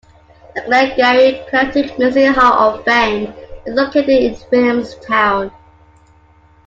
The Glengarry Celtic Music Hall of Fame is located in Williamstown.